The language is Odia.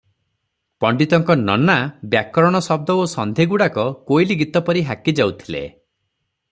ପଣ୍ତିତଙ୍କ ନନା ବ୍ୟାକରଣ ଶଦ୍ଦ ଓ ସନ୍ଧିଗୁଡ଼ାକ କୋଇଲି - ଗୀତ ପରି ହାକିଯାଉଥିଲେ ।